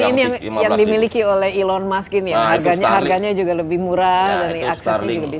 ini yang dimiliki oleh elon muskin ya harganya juga lebih murah dan aksesnya juga bisa